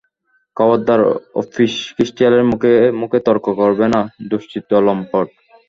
খবরদার অফিস্র ক্রিস্টালের মুখে মুখে তর্ক করবে না, দুশ্চরিত্র লম্পট!